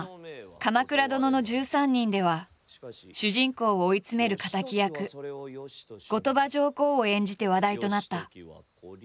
「鎌倉殿の１３人」では主人公を追い詰める敵役後鳥羽上皇を演じて話題となった。